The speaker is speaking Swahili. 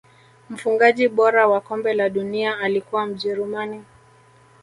mfungaji bora wa kombe la dunia alikuwa mjerumani